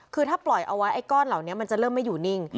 คือถ้าปล่อยเอาไว้ไอ้ก้อนเหล่านี้มันจะเริ่มไม่อยู่นิ่ง